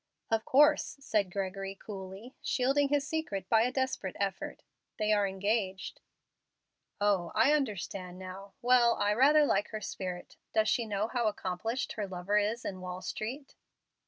"Of course," said Gregory, coolly, shielding his secret by a desperate effort; "they are engaged." "Oh, I understand now. Well, I rather like her spirit. Does she know how accomplished her lover is in Wall Street?"